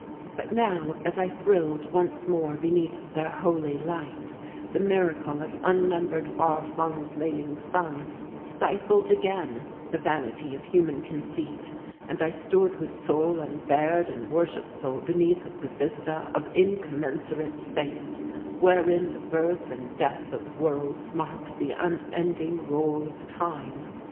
But now as I thrilled once more beneath their holy light, the miracle of unnumbered far flung flaming suns stifled again the vanity of human conceit and I stood with soul unbared and worshipful beneath the vista of incommensurate space wherein the birth and death of worlds marks the unending roll of time.